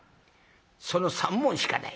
その３文しかない。